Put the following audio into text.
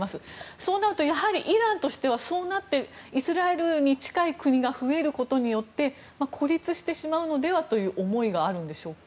そうなるとやはりイランとしてはイスラエルに近い国が増えることによって孤立してしまうのではという思いがあるのでしょうか？